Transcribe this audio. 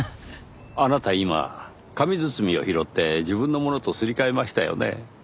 あなた今紙包みを拾って自分のものとすり替えましたよね？